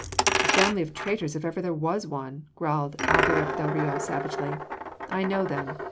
"A family of traitors if ever there was one," growled Alberic del Rio savagely. "I know them.